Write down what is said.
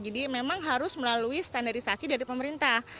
jadi memang harus melalui standarisasi dari pemerintah